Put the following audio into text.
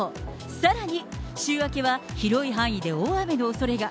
さらに、週明けは広い範囲で大雨のおそれが。